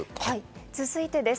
続いてです。